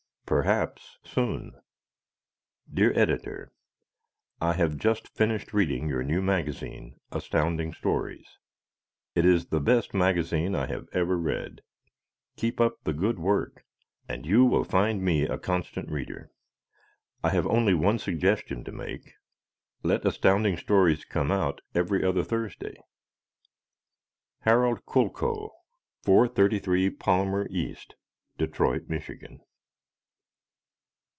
Perhaps Soon Dear Editor: I have just finished reading your new magazine, Astounding Stories. It is the best magazine I have ever read. Keep up the good work and you will find me a constant reader. I have only one suggestion to make: Let Astounding Stories come out every other Thursday. Harold Kulko, 433 Palmer E., Detroit, Michigan.